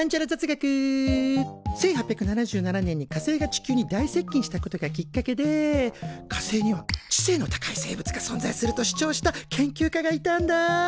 １８７７年に火星が地球に大接近したことがきっかけで火星には知性の高い生物が存在すると主張した研究家がいたんだ。